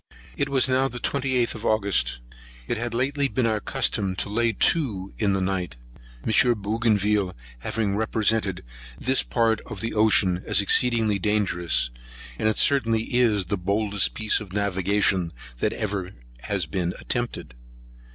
It was now the 28th of August. It had lately been our custom to lay to in the night, M. Bougainville having represented this part of the ocean as exceedingly dangerous; and it certainly is the boldest piece of navigation that has ever yet been attempted.